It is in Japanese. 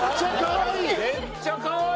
めっちゃかわいい！